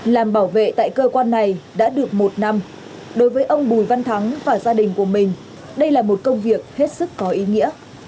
làm bảo vệ tại cơ quan này đã được một năm đối với ông bùi văn thắng và gia đình của mình đây là một công việc hết sức có ý nghĩa